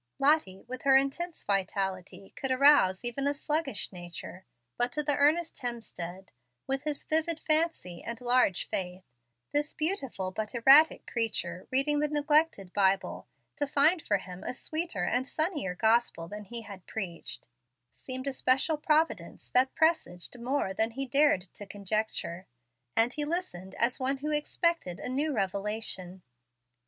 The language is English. Lottie, with her intense vitality, could arouse even a sluggish nature. But to earnest Hemstead, with his vivid fancy, and large faith, this beautiful but erratic creature reading the neglected Bible, to find for him a sweeter and sunnier gospel than he had preached, seemed a special providence that presaged more than he had dared to conjecture; and he listened as one who expected a new revelation.